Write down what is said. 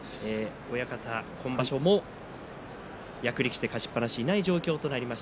親方、今場所も役力士で勝ちっぱなしいない状況になりました。